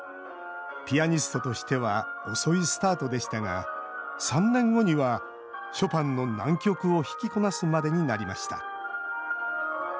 ピアニストとしては遅いスタートでしたが３年後にはショパンの難曲を弾きこなすまでになりました。